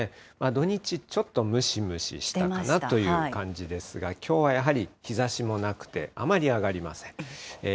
土日、ちょっとムシムシしたかなという感じですが、きょうはやはり日ざしもなくて、あまり上がりません。